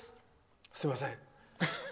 すみません。